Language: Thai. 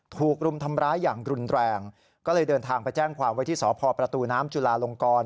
ถูกรุมทำร้ายอย่างรุนแรงก็เลยเดินทางไปแจ้งความไว้ที่สพประตูน้ำจุลาลงกร